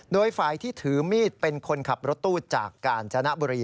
โดยฝ่ายที่ถือมีดเป็นคนขับรถตู้จากกาญจนบุรี